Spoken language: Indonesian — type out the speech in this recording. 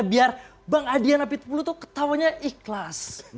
biar bang adian napi tupulu tuh ketawanya ikhlas